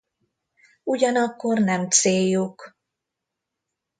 Ugyanakkor nem céljuk